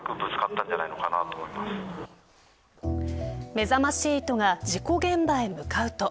めざまし８が事故現場へ向かうと。